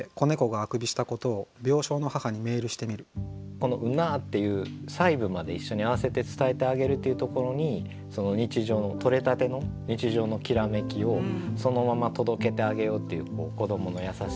この「んなぁ」っていう細部まで一緒に合わせて伝えてあげるというところに日常のとれたての日常のきらめきをそのまま届けてあげようという子どもの優しさ。